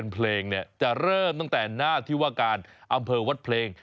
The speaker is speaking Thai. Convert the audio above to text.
เพลงจะเริ่มตั้งแต่หน้าที่ว่าการอำเภอวัดเพลง